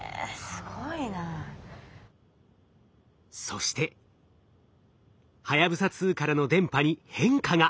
そしてはやぶさ２からの電波に変化が。